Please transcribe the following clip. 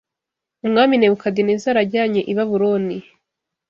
Umwami Nebukadinezari ajyanye i Babuloni